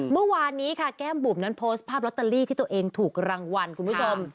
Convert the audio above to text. เมื่อวานนี้ค่ะแก้มบุ๋มนั้นโพสต์ภาพลอตเตอรี่ที่ตัวเองถูกรางวัลคุณผู้ชม